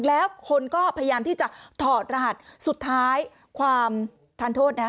แล้วคนก็พยายามที่จะถอดรหัสสุดท้ายความทานโทษนะ